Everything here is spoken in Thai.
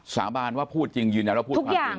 สาบานว่าพูดจริงยืนยันว่าพูดความจริง